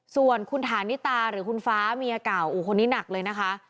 ส่วนคุณฐานิตาหรือคุณฟ้าเมียเก่าคนนี้หนักเลยนะคะ